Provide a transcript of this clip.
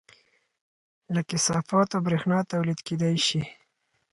له کثافاتو بریښنا تولید کیدی شي